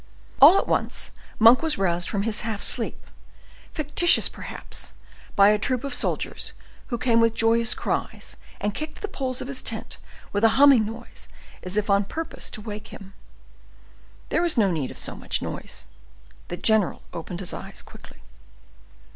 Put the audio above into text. All at once Monk was roused from his half sleep, fictitious perhaps, by a troop of soldiers, who came with joyous cries, and kicked the poles of his tent with a humming noise as if on purpose to wake him. There was no need of so much noise; the general opened his eyes quickly.